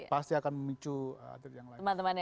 pasti akan memicu teman teman yang lain